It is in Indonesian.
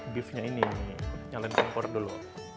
beefnya ini nyalen kompor dulu